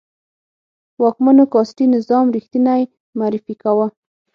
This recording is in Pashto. واکمنو کاسټي نظام ریښتنی معرفي کاوه.